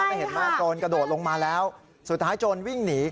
แล้วเห็นไหมโจรกระโดดลงมาแล้วสุดท้ายโจรวิ่งหนี